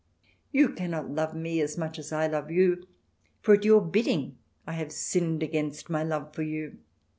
... You cannot love me as much as I love you, for at your bidding I have sinned against my love for you."